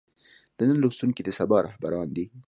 د نن لوستونکي د سبا رهبران دي.